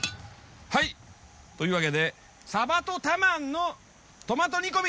はいというわけでサバとタマンのトマト煮込み